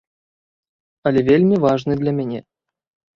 Але вельмі важны для мяне.